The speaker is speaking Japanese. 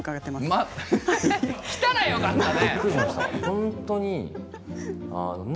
来たらよかったね。